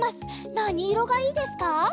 なにいろがいいですか？